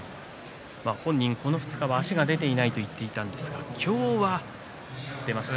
本人、この２日は足が出ないと言っていたんですが今日は出ました。